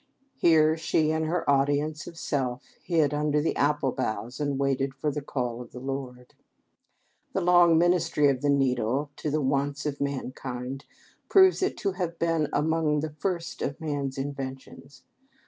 Here she and her audience of self hid under the apple boughs and waited for the call of the Lord. The long ministry of the needle to the wants of mankind proves it to have been among the first of man's inventions.